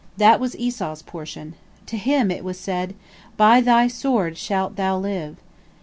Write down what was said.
That was Esau's portion. To him was it said, By thy sword shalt thou live.